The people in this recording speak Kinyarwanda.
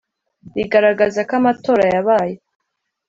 rigaragaza ko amatora yabaye